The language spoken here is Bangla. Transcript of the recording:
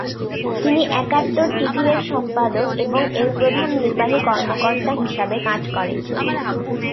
তিনি একাত্তর টিভি এর সম্পাদক এবং প্রধান নির্বাহী কর্মকর্তা হিসাবে কাজ করে।